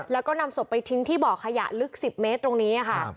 แล้วก็นำศพไปทิ้งที่บ่อขยะลึก๑๐เมตรตรงนี้ค่ะ